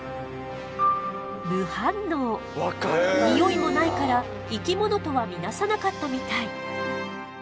ニオイもないから生き物とは見なさなかったみたい。